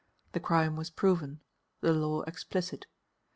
The crime was proven, the law explicit.